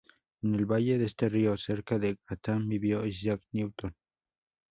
En el valle de este río, cerca de Grantham, vivió Isaac Newton.